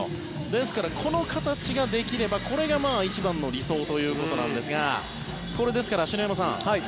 ですからこの形ができればこれが一番の理想ということなんですがこれ、ですから篠山さん